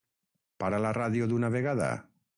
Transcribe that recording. Para la ràdio d'una vegada!